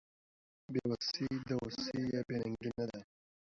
ناوسي دووسي نده